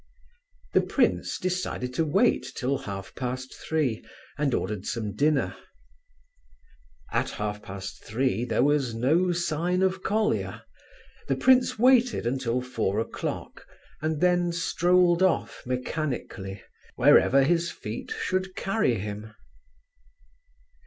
The prince decided to wait till half past three, and ordered some dinner. At half past three there was no sign of Colia. The prince waited until four o'clock, and then strolled off mechanically wherever his feet should carry him.